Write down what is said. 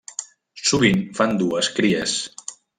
Sovint fan dues cries.